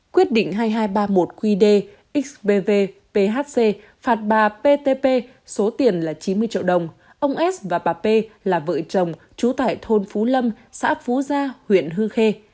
quyết định hai nghìn hai trăm ba mươi một qd xbv phc phạt bà ptp số tiền là chín mươi triệu đồng ông s và bà p là vợ chồng trú tại thôn phú lâm xã phú gia huyện hương khê